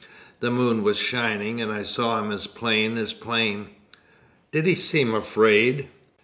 The moon was shining, and I saw him as plain as plain." "Did he seem afraid?"